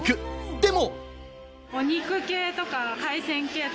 でも。